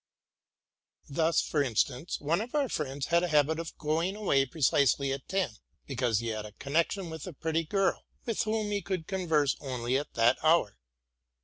Thus, for instance, one of our friends had a habit of going away precisely at ten, because he had a connection with a pretty girl, with whom he could con verse only at that hour.